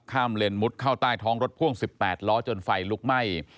เลนมุดเข้าใต้ท้องรถพ่วง๑๘ล้อจนไฟลุกไหม้